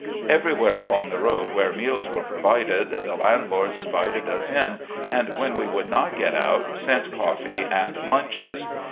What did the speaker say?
Everywhere along the road where meals were provided the landlords invited us in, and when we would not get out, sent coffee and lunches.